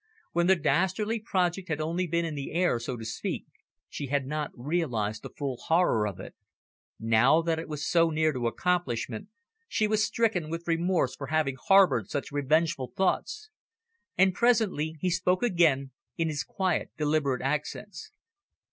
When the dastardly project had only been in the air, so to speak, she had not realised the full horror of it. Now that it was so near to accomplishment, she was stricken with remorse for having harboured such revengeful thoughts. And presently he spoke again, in his quiet, deliberate accents.